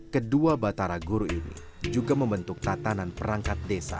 kedua batara guru ini juga membentuk tatanan perangkat desa